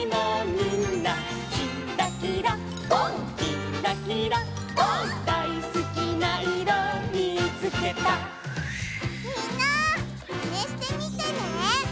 みんなマネしてみてね！